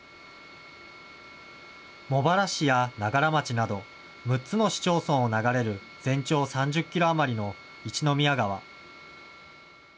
茂原市や長柄町など６つの市町村を流れる全長３０キロ余りの一宮川。